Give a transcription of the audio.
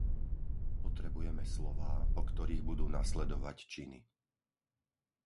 Potrebujeme slová, po ktorých budú nasledovať činy.